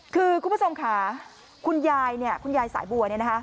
คือคุณผู้ชมขาคุณยายสายบัวนะคะ